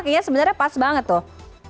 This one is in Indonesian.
kayaknya sebenarnya pas banget tuh